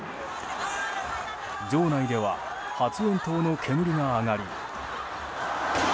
場内では発煙筒の煙が上がり。